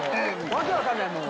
訳わかんないもう。